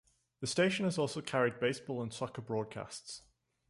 The station has also carried baseball and soccer broadcasts.